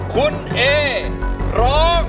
คุณเอร้อง